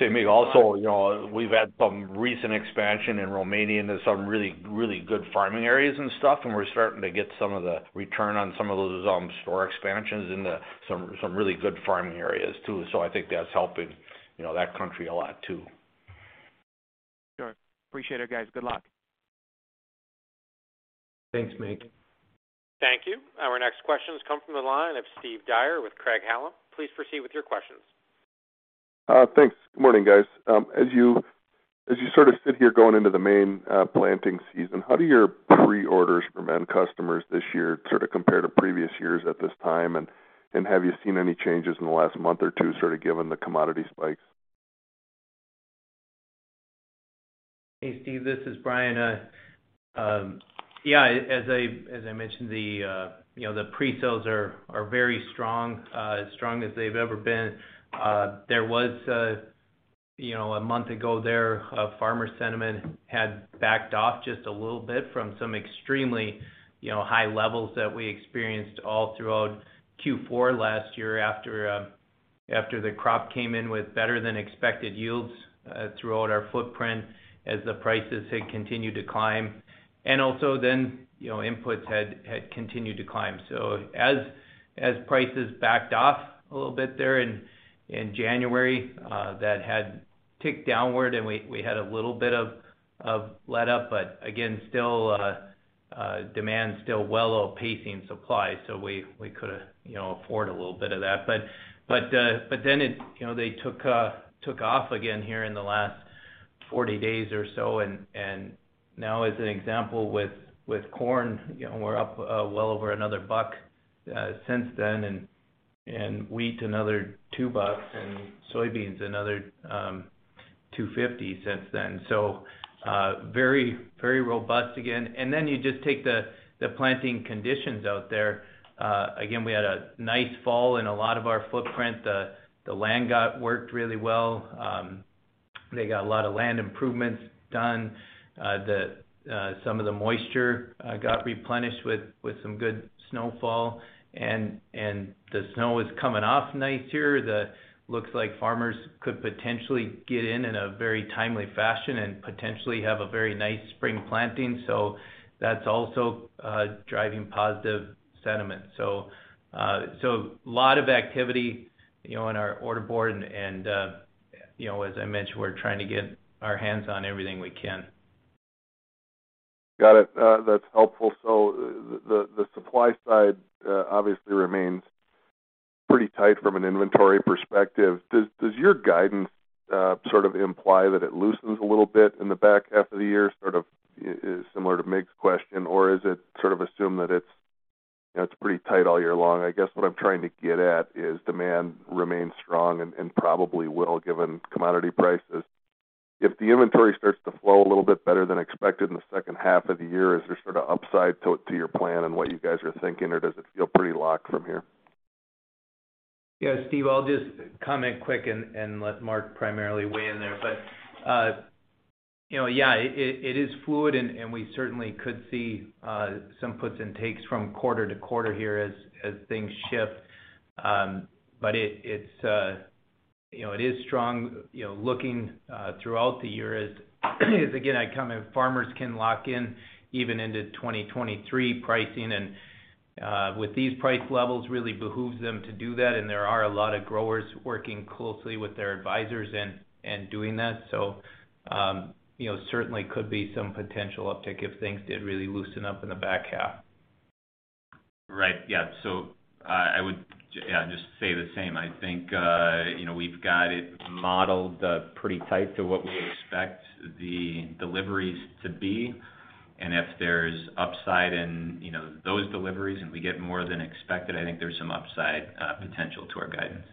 [SPEAKER 3] Yeah. See, Mig, also, you know, we've had some recent expansion in Romania into some really good farming areas and stuff, and we're starting to get some of the return on some of those, store expansions into some really good farming areas too. So I think that's helping, you know, that country a lot too.
[SPEAKER 7] Sure. Appreciate it, guys. Good luck.
[SPEAKER 3] Thanks, Mig.
[SPEAKER 1] Thank you. Our next questions come from the line of Steve Dyer with Craig-Hallum. Please proceed with your questions.
[SPEAKER 8] Thanks. Good morning, guys. As you sort of sit here going into the main planting season, how do your pre-orders from end customers this year sort of compare to previous years at this time? Have you seen any changes in the last month or two, sort of given the commodity spikes?
[SPEAKER 4] Hey, Steve, this is Bryan. As I mentioned, you know, the pre-sales are very strong, as strong as they've ever been. There was, you know, a month ago, farmer sentiment had backed off just a little bit from some extremely high levels that we experienced all throughout Q4 last year after the crop came in with better than expected yields throughout our footprint as the prices had continued to climb. Also then, you know, inputs had continued to climb. As prices backed off a little bit there in January, that had ticked downward and we had a little bit of letup, but again, still, demand's still well outpacing supply, so we could, you know, afford a little bit of that. You know, they took off again here in the last 40 days or so. Now as an example with corn, you know, we're up well over another $1 since then, and wheat another $2, and soybeans another $2.50 since then. Very robust again. You just take the planting conditions out there. Again, we had a nice fall in a lot of our footprint. The land got worked really well. They got a lot of land improvements done. Some of the moisture got replenished with some good snowfall. The snow is coming off nice here. Looks like farmers could potentially get in a very timely fashion and potentially have a very nice spring planting. That's also driving positive sentiment. A lot of activity, you know, on our order board and, you know, as I mentioned, we're trying to get our hands on everything we can.
[SPEAKER 8] Got it. That's helpful. The supply side obviously remains pretty tight from an inventory perspective. Does your guidance sort of imply that it loosens a little bit in the back half of the year, sort of similar to Mig's question, or is it sort of assume that it's you know it's pretty tight all year long? I guess what I'm trying to get at is demand remains strong and probably will given commodity prices. If the inventory starts to flow a little bit better than expected in the second half of the year, is there sort of upside to your plan and what you guys are thinking, or does it feel pretty locked from here?
[SPEAKER 4] Yeah, Steve, I'll just comment quick and let Mark primarily weigh in there. You know, yeah, it is fluid and we certainly could see some puts and takes from quarter to quarter here as things shift. It's you know, it is strong you know looking throughout the year as again I comment farmers can lock in even into 2023 pricing and with these price levels really behooves them to do that. There are a lot of growers working closely with their advisors and doing that. You know certainly could be some potential uptick if things did really loosen up in the back half.
[SPEAKER 5] Right. Yeah. I would, yeah, just say the same. I think, you know, we've got it modeled pretty tight to what we expect the deliveries to be. If there's upside in, you know, those deliveries and we get more than expected, I think there's some upside potential to our guidance.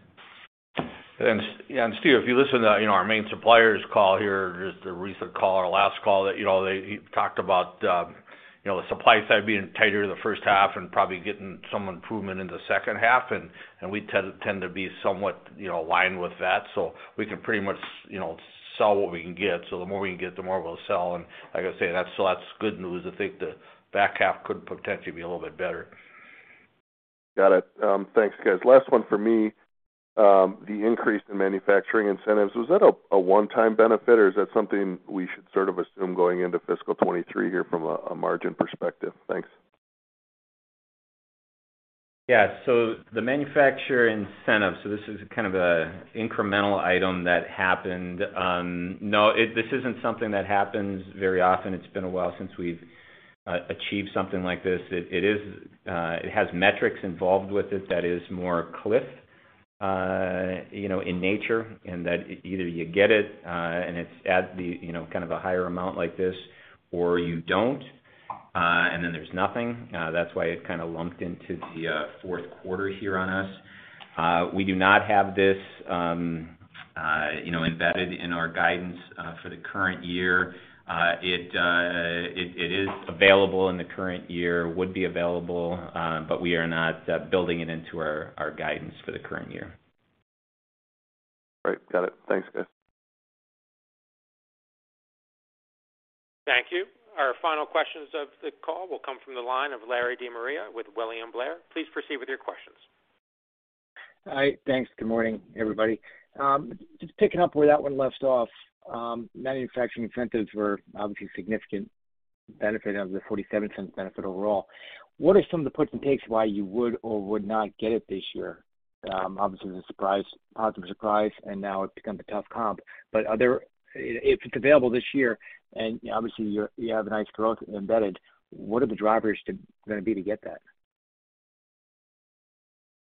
[SPEAKER 3] Steve, if you listen to, you know, our main suppliers call here, just the recent call or last call that, you know, they talked about, you know, the supply side being tighter the first half and probably getting some improvement in the second half, and we tend to be somewhat, you know, aligned with that. We can pretty much, you know, sell what we can get. The more we can get, the more we'll sell. Like I say, that's lots of good news. I think the back half could potentially be a little bit better.
[SPEAKER 8] Got it. Thanks, guys. Last one for me. The increase in manufacturing incentives, was that a one-time benefit or is that something we should sort of assume going into fiscal 2023 here from a margin perspective? Thanks.
[SPEAKER 5] Yeah. The manufacturer incentive, this is kind of an incremental item that happened. No, this isn't something that happens very often. It's been a while since we've achieved something like this. It is, it has metrics involved with it that is more cliff, you know, in nature, in that either you get it, and it's at the, you know, kind of a higher amount like this, or you don't, and then there's nothing. That's why it kind of lumped into the fourth quarter here on us. We do not have this, you know, embedded in our guidance for the current year. It is available in the current year, would be available, but we are not building it into our guidance for the current year.
[SPEAKER 8] Right. Got it. Thanks, guys.
[SPEAKER 1] Thank you. Our final questions of the call will come from the line of Larry De Maria with William Blair. Please proceed with your questions.
[SPEAKER 9] Hi. Thanks. Good morning, everybody. Just picking up where that one left off, manufacturing incentives were obviously a significant benefit of the $0.47 benefit overall. What are some of the puts and takes why you would or would not get it this year? Obviously the surprise, positive surprise, and now it's become a tough comp. Are there, if it's available this year, and obviously you have a nice growth embedded, what are the drivers gonna be to get that?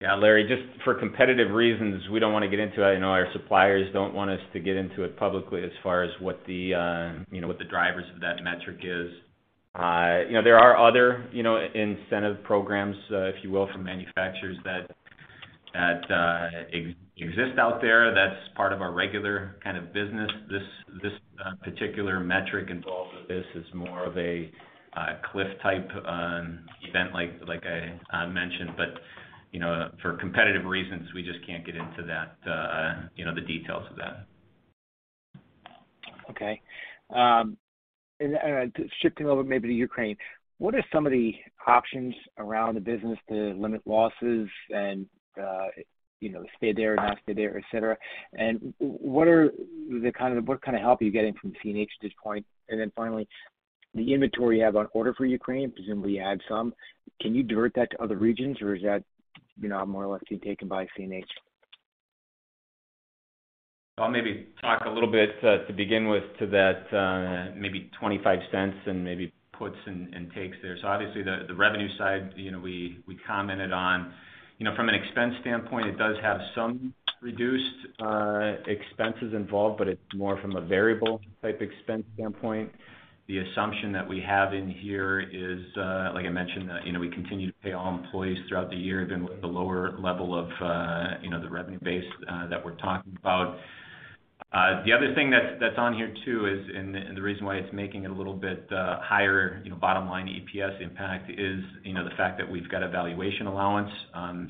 [SPEAKER 5] Yeah, Larry, just for competitive reasons, we don't wanna get into it. I know our suppliers don't want us to get into it publicly as far as what the, you know, what the drivers of that metric is. You know, there are other, you know, incentive programs, if you will, from manufacturers that exist out there. That's part of our regular kind of business. This particular metric involved with this is more of a cliff-type event, like I mentioned. You know, for competitive reasons, we just can't get into that, you know, the details of that.
[SPEAKER 9] Okay. Shifting over maybe to Ukraine, what are some of the options around the business to limit losses and, you know, stay there, not stay there, et cetera? What kind of help are you getting from CNH at this point? Then finally, the inventory you have on order for Ukraine, presumably you have some, can you divert that to other regions, or is that, you know, more or less being taken by CNH?
[SPEAKER 5] I'll maybe talk a little bit to begin with to that, maybe $0.25 and maybe puts and takes there. Obviously the revenue side, you know, we commented on. You know, from an expense standpoint, it does have some reduced expenses involved, but it's more from a variable type expense standpoint. The assumption that we have in here is, like I mentioned, you know, we continue to pay all employees throughout the year, even with the lower level of, you know, the revenue base that we're talking about. The other thing that's on here too is the reason why it's making it a little bit higher, you know, bottom line EPS impact is, you know, the fact that we've got a valuation allowance.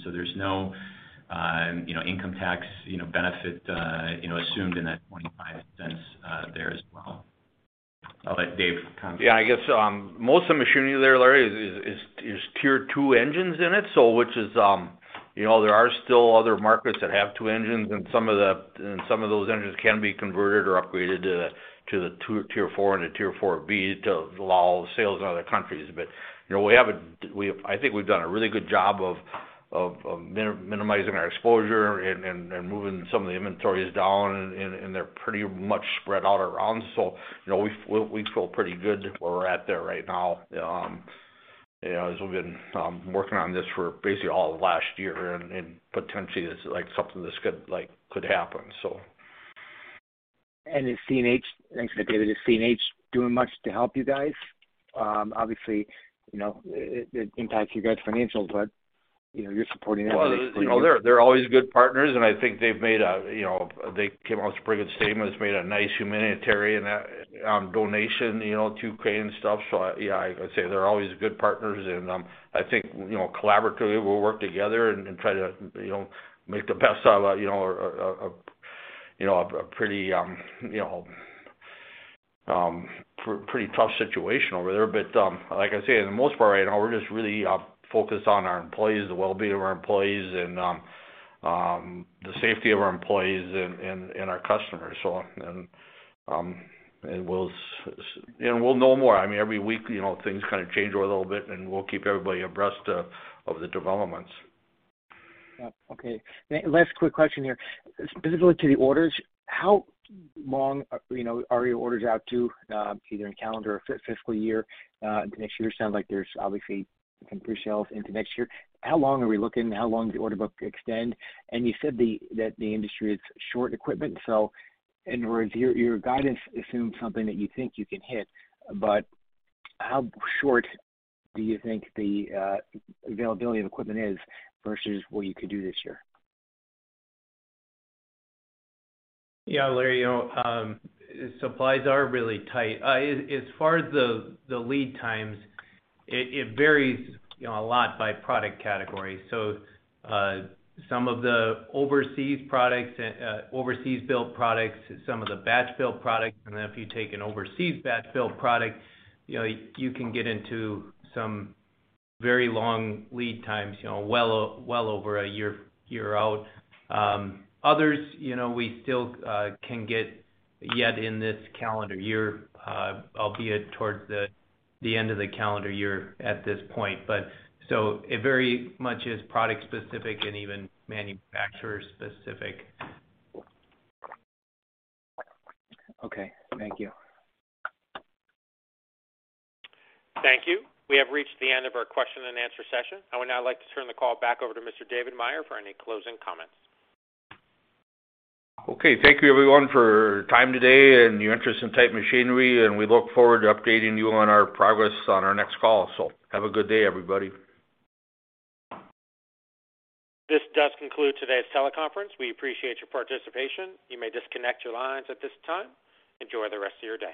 [SPEAKER 5] There's no income tax benefit assumed in that $0.25 there as well. I'll let Dave comment.
[SPEAKER 3] Yeah. I guess most of the machinery there, Larry, is Tier 2 engines in it, so which is, you know, there are still other markets that have two engines and some of those engines can be converted or upgraded to the Tier 4 and the Tier 4B to allow sales in other countries. You know, I think we've done a really good job of minimizing our exposure and moving some of the inventories down and they're pretty much spread out around. You know, we feel pretty good where we're at there right now, you know, as we've been working on this for basically all of last year and potentially this is like something that could happen so.
[SPEAKER 9] And is CNH. Thanks for that, David. Is CNH doing much to help you guys? Obviously, you know, it impacts you guys financials, but, you know, you're supporting them.
[SPEAKER 3] Well, you know, they're always good partners, and I think they've made a, you know, they came out with a pretty good statement. It's made a nice humanitarian donation, you know, to Ukraine and stuff. Yeah, I would say they're always good partners and, I think, you know, collaboratively we'll work together and try to, you know, make the best out of a, you know, a pretty tough situation over there. Like I say, for the most part right now, we're just really focused on our employees, the well-being of our employees, and the safety of our employees and our customers. We'll know more. I mean, every week, you know, things kind of change a little bit, and we'll keep everybody abreast of the developments.
[SPEAKER 9] Yeah. Okay. Last quick question here. Specifically to the orders, how long are your orders out to, either in calendar or fiscal year, into next year? It sounds like there's obviously some pre-sales into next year. How long are we looking? How long does the order book extend? You said that the industry is short in equipment, so in other words, your guidance assumes something that you think you can hit, but how short do you think the availability of equipment is versus what you could do this year?
[SPEAKER 4] Yeah, Larry, you know, supplies are really tight. As far as the lead times, it varies, you know, a lot by product category. Some of the overseas products and overseas-built products, some of the batch build products, and then if you take an overseas batch build product, you know, you can get into some very long lead times, you know, well over a year out. Others, you know, we still can get yet in this calendar year, albeit towards the end of the calendar year at this point. It very much is product specific and even manufacturer specific.
[SPEAKER 9] Okay. Thank you.
[SPEAKER 1] Thank you. We have reached the end of our question and answer session. I would now like to turn the call back over to Mr. David Meyer for any closing comments.
[SPEAKER 3] Okay. Thank you everyone for your time today and your interest in Titan Machinery, and we look forward to updating you on our progress on our next call. Have a good day, everybody.
[SPEAKER 1] This does conclude today's teleconference. We appreciate your participation. You may disconnect your lines at this time. Enjoy the rest of your day.